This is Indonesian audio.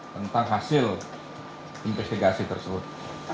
tentang hasil investigasi tersebut